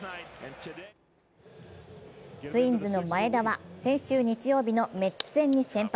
ツインズの前田は先週日曜日のメッツ戦に先発